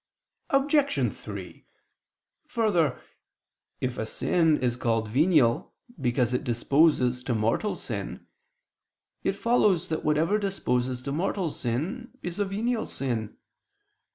Obj. 3: Further, if a sin is called venial because it disposes to mortal sin, it follows that whatever disposes to mortal sin is a venial sin.